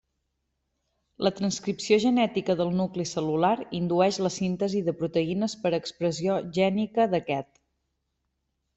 La transcripció genètica del nucli cel·lular indueix la síntesi de proteïnes per expressió gènica d'aquest.